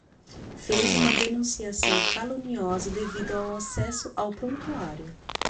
Fez uma denunciação caluniosa devido ao acesso ao prontuário